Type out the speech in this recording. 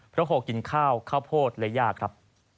เพราะโฮกินข้าวข้าวโพดและย่าครับ